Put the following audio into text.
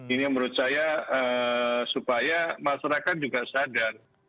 ini menurut saya supaya masyarakat juga sadar